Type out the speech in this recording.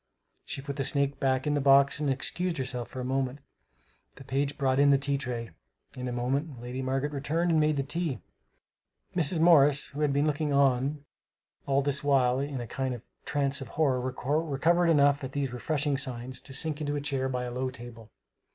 She put the snake back in the box and excused herself for a moment. The page brought in the tea tray. In a moment Lady Margaret returned and made the tea, Mrs. Morris who had been looking on all this while in a kind of trance of horror, recovered enough, at these refreshing signs, to sink into a chair by a low table.